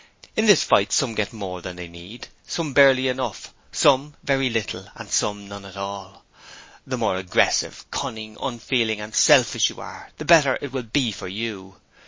In this fight some get more than they need, some barely enough, some very little, and some none at all. The more aggressive, cunning, unfeeling and selfish you are the better it will be for you.